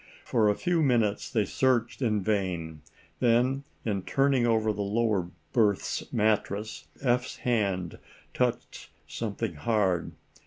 For a few minutes they searched in vain. Then, in turning over the lower berth's mattress, Eph's hand touched something hard.